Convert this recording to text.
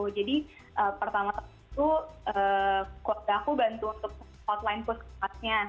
jadi pertama waktu itu keluarga aku bantu untuk hotline puskesmasnya